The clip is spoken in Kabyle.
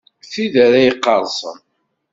Tid ara yeqqerṣen.